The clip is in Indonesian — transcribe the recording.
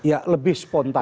iya lebih spontan